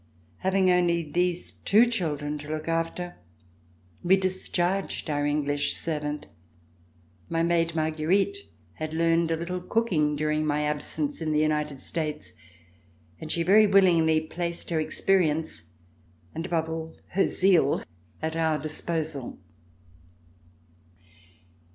Having only these two children to look after, we discharged our English servant. My maid, Marguerite, had learned a little cooking during my absence in the United States and she very willingly placed her experience and above all her zeal at our disposal.